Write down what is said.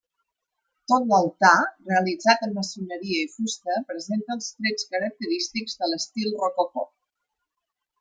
Tot l'altar, realitzat en maçoneria i fusta presenta els trets característics de l'estil rococó.